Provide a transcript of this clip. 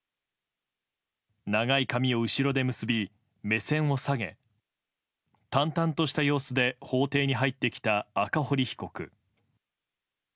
長い髪を後ろで結び、目線を下げ淡々とした様子で法廷に入ってきた赤堀被告。